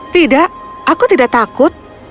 tidak aku tidak takut